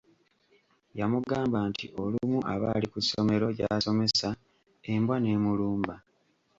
Yamugamba nti olumu aba ali ku ssomero gy’asomesa embwa n'emulumba.